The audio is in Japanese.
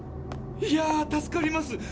いや助かります！